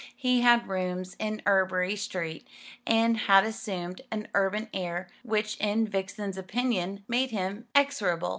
He had rooms in Ebury Street, and had assumed an urban air which in Vixen's opinion made him execrable.